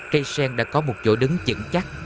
cây sen đã có một chỗ đứng chững chắc